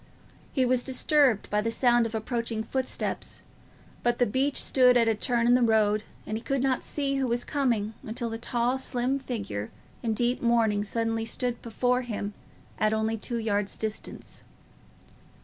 He was disturbed by the sound of approaching footsteps, but the beech stood at a turning in the road, and he could not see who was coming until the tall slim figure in deep mourning suddenly stood before him at only two yards' distance.